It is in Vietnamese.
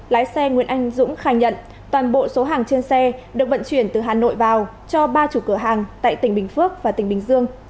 lái xe nguyễn anh dũng khai nhận toàn bộ số hàng trên xe được vận chuyển từ hà nội vào cho ba chủ cửa hàng tại tỉnh bình phước và tỉnh bình dương